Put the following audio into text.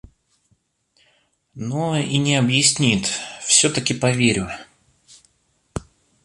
Но и не объяснит, всё-таки поверю.